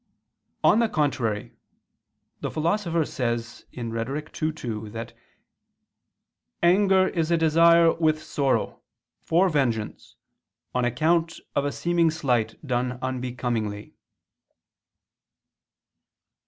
On the contrary, The Philosopher says (Rhet. ii, 2) that anger is "a desire, with sorrow, for vengeance, on account of a seeming slight done unbecomingly."